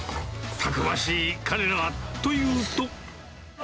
たくましい彼らはというと。